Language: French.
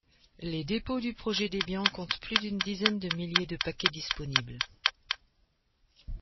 Les dépôts du projet Debian comptent plus d'une dizaine de milliers de paquets disponibles.